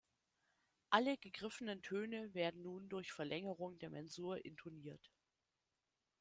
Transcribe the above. Alle gegriffenen Töne werden nun durch Verlängerung der Mensur intoniert.